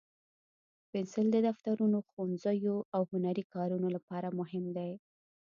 پنسل د دفترونو، ښوونځیو، او هنري کارونو لپاره مهم دی.